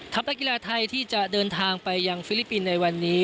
นักกีฬาไทยที่จะเดินทางไปยังฟิลิปปินส์ในวันนี้